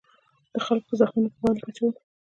د خلکو په زخمونو به مالګې اچول.